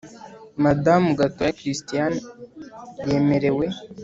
Madamu gatoya christiane yemerewe